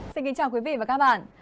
xin kính chào quý vị và các bạn